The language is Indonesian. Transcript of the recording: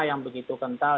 yang begitu kental